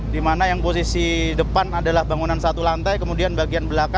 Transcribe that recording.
di mana yang posisi depan adalah bangunan satu lantai kemudian di depan ada bangunan yang berlantai